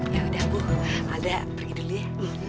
yaudah bu ada pergi dulu ya